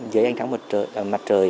dưới ánh sáng mặt trời